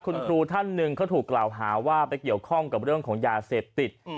คุณครูท่านหนึ่งเขาถูกกล่าวหาว่าไปเกี่ยวข้องกับเรื่องของยาเสพติด